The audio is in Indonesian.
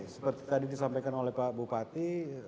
seperti tadi disampaikan oleh pak bupati